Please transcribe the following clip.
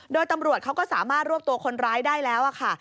โดยตำรวจเขาก็สามารถรวบตัวคนร้ายได้แล้วค่ะ